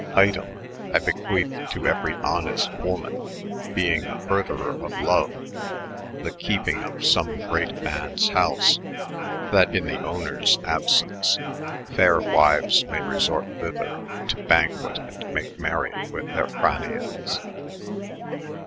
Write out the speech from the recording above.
Item, I bequethe to euery honest woman, beyng a fdrtherer of lone, the kepyng of some great mans boose, that in the owners absence, fayre wyues may resorte thyther, to banket & make mery with their Frannians.